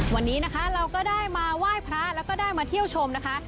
วันนี้นะคะเราก็ได้มาไหว้พระแล้วก็ได้มาเที่ยวชมนะคะ